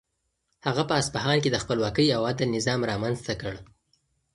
هغه په اصفهان کې د خپلواکۍ او عدل نظام رامنځته کړ.